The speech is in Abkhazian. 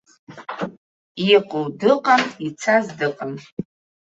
Иҟоу дыҟам, ицаз дыҟам.